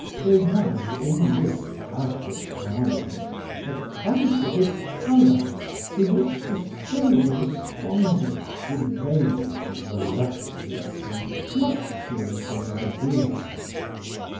There was in this perfect harmony a concert of color to which the soul responded with vague and voluptuous and fluctuating ideas.